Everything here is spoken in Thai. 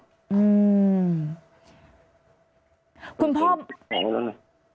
อืมคุณพ่อสักครั้งก่อน